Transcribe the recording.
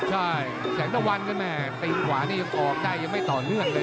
ใช่แสงตะวันก็แม่ตีนขวานี่ยังออกได้ยังไม่ต่อเนื่องเลย